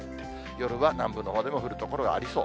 夜は南部のほうでも降る所がありそう。